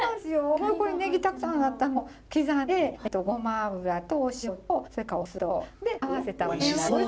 本当これねぎたくさんあったのを刻んでごま油とお塩とそれからお酢とで合わせたものになるんです。